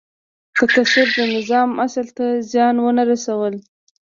تکثیر د نظام اصل ته زیان ونه رسول.